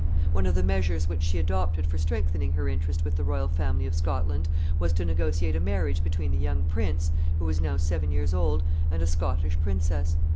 ] One of the measures which she adopted for strengthening her interest with the royal family of Scotland was to negotiate a marriage between the young prince, who was now seven years old, and a Scotch princess.